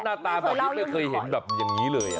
หน้าตาแบบนี้ไม่เคยเห็นแบบอย่างนี้เลย